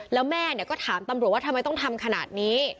แล้วแม่ก็ถามตำรวจว่าทำไมต้องทำขนาดนี้